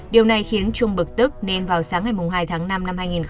điều này khiến trung bực tức nên vào sáng ngày hai tháng năm năm hai nghìn hai mươi